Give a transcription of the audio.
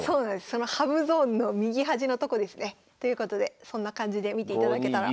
その羽生ゾーンの右端のとこですね。ということでそんな感じで見ていただけたら。